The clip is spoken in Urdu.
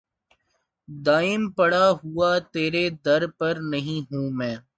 دائم پڑا ہوا تیرے در پر نہیں ہوں میں